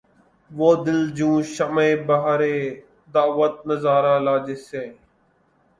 وہ دل جوں شمعِ بہرِ دعوت نظارہ لا‘ جس سے